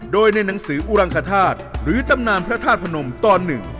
โดยในหนังสืออุรังคธาตุหรือตำนานพระธาตุพนมตอนหนึ่ง